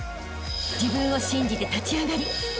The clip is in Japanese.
［自分を信じて立ち上がりあしたへ